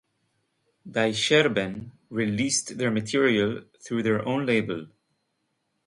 Die Scherben released their material through their own label.